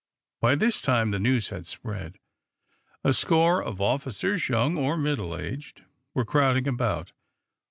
By this time the news had spread. A score of officers, young or middle aged, were crowding about.